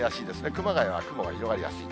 熊谷は雲が広がりやすい。